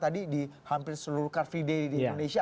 tadi di hampir seluruh car free day di indonesia